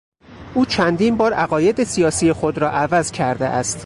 او چندین بار عقاید سیاسی خود را عوض کرده است.